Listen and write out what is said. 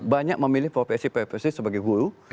banyak memilih profesi profesi sebagai guru